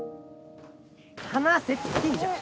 離せって言ってんじゃん。